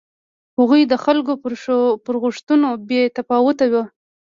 هغوی د خلکو پر غوښتنو بې تفاوته و.